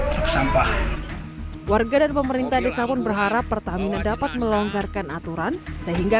truk sampah warga dan pemerintah desa pun berharap pertamina dapat melonggarkan aturan sehingga